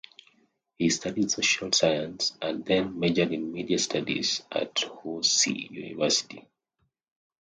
He studied social science and then majored in media studies at Housei University.